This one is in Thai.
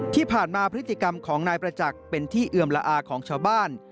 ที่ผ่านมาพฤติกรรมของนายประจักษ์เป็นที่เอือมละอาของชาวบ้าน